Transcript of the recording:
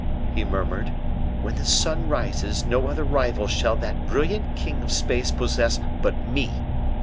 he murmured, "when the sun rises, no other rival shall that brilliant king of space possess but me.